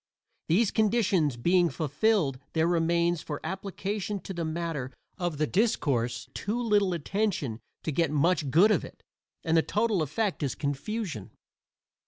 These conditions being fulfilled there remains for application to the matter of the discourse too little attention to get much good of it, and the total effect is confusion.